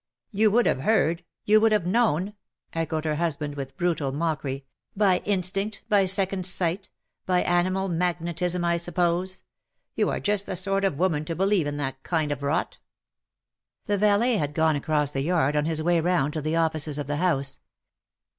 "You would have heard — you would have known/^ echoed her husband, with brutual mockery — "by instinct, by second sight, by animal magnetism, ] suppose. You are just the sort of woman to believe in that kind of rot." The valet had gone across the yard on his way round to the offices of the house.